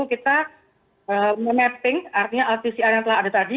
kita menetting artinya lpcr yang telah ada tadi